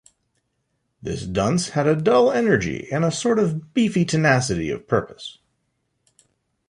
This dunce had a dull energy and a sort of beefy tenacity of purpose.